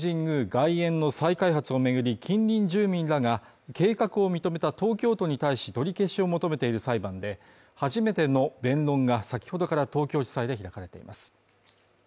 外苑の再開発を巡り、近隣住民が計画を認めた東京都に対し取り消しを求めている裁判で、初めての弁論が先ほどから東京地裁で開かれています。